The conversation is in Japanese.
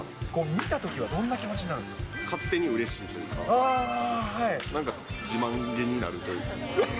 見たときはどんな気持ちになるん勝手にうれしいというか、なんか自慢気になるというか。